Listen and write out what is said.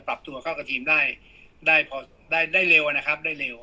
ปรับตัวเข้ากับทีมได้พอได้เร็วนะครับได้เร็ว